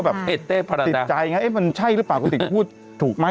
แบบเต้เต้ติดใจไงเอ๊ะมันใช่หรือเปล่ากะติกพูดถูกไหม